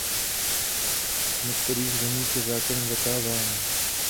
V některých zemích je zákonem zakázána.